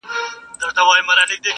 پر وړو لویو خبرو نه جوړېږي-